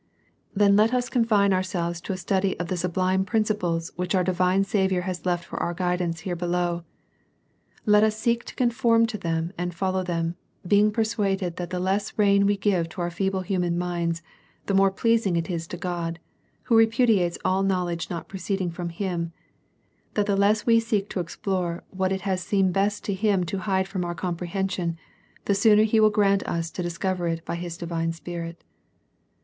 Then let us confine ourselves to a studying of the sublime principles which our divine Saviour has left for our guidance here below ; let us seek to conform to them and follow them, being persuaded that the less rein we give to our feeble human minds, the more pleasing it is to God, Who repudiates all knowledge not proceeding from Him ; that the less we seek to explore what it has seen best to Him to hide from our compre hension, the sooner He will grant us to discover it by His divine spirit.